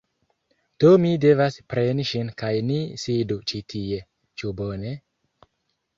Do mi devas preni ŝin kaj ni sidu ĉi tie. Ĉu bone?